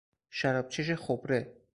شرابچش خبره